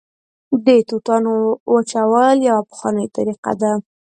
د توتانو وچول یوه پخوانۍ طریقه ده